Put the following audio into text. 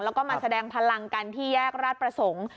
แล้วก็มาแสดงพลังกันที่แยกราชประสงค์